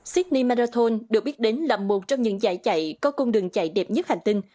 sydney marathon được biết đến là một trong những dạy chạy có công đường chạy đẹp nhất hành tinh